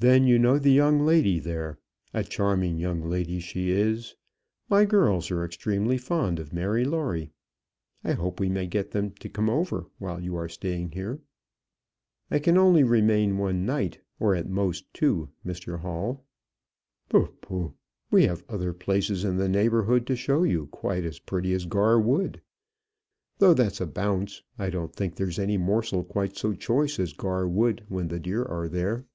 "Then you know the young lady there; a charming young lady she is. My girls are extremely fond of Mary Lawrie. I hope we may get them to come over while you are staying here." "I can only remain one night, or at the most two, Mr Hall." "Pooh, pooh! We have other places in the neighbourhood to show you quite as pretty as Gar Wood. Though that's a bounce: I don't think there is any morsel quite so choice as Gar Wood when the deer are there.